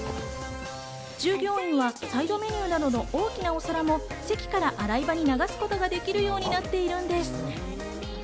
従業員はサイドメニューなどの大きなお皿も席から洗い場に流すことができるようになっているんです。